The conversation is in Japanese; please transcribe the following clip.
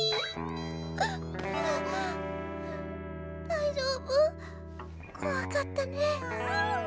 大丈夫？怖かったね。